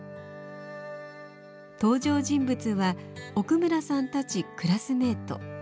登場人物は奥村さんたちクラスメート。